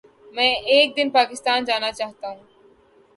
میں ایک دن پاکستان جانا چاہتاہوں